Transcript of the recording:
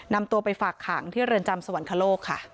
นำตัวไปฝากขังที่เรือนจำสวรรคโลกค่ะ